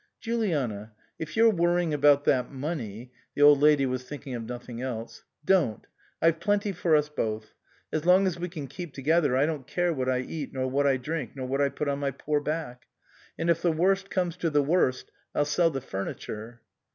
" Juliana, if you're worrying about that money " the Old Lady was thinking of nothing else " don't. I've plenty for us both. As long as we can keep together I don't care what I eat, nor what I drink, nor what I put on my poor back. And if the worst comes to the worst I'll sell the furniture."